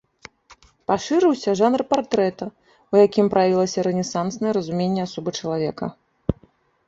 Пашырыўся жанр партрэта, у якім праявілася рэнесанснае разуменне асобы чалавека.